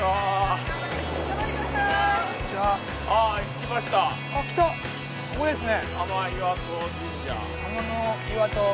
来たここですね。